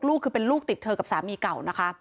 ลูกคือเป็นลูกติดเธอกับสามีเก่านะคะ